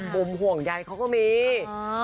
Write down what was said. มุมห่วงใยเขาก็มี